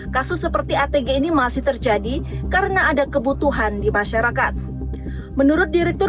kasus seperti atg ini masih terjadi karena ada kebutuhan di masyarakat menurut direktur